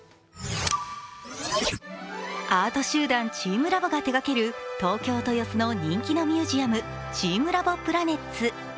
アート集団チームラボが手がける東京・豊洲の人気のミュージアムチームラボプラネッツ。